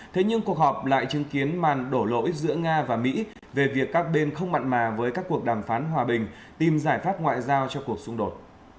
thế nhưng cuộc họp lại chứng kiến màn đổ lỗi giữa nga và mỹ về việc các bên không mặn mà với các cuộc đàm phán hòa bình tìm giải pháp ngoại giao cho cuộc xung đột